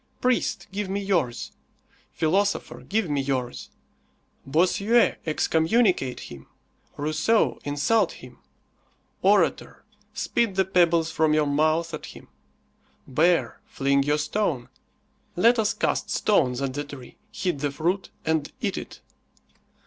Priest, give me yours. Philosopher, give me yours. Bossuet, excommunicate him. Rousseau, insult him. Orator, spit the pebbles from your mouth at him. Bear, fling your stone. Let us cast stones at the tree, hit the fruit and eat it.